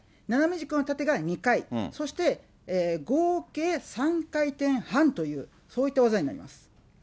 斜め軸の縦が２回、そして合計３回転半という、そういった技になります。